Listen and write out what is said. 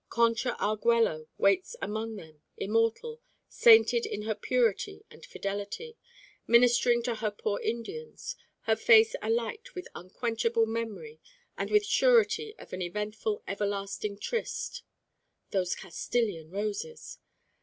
Concha Arguello waits among them, immortal, sainted in her purity and fidelity, ministering to her poor Indians, her face alight with unquenchable memory and with surety of an eventual everlasting tryst. Those Castilian roses!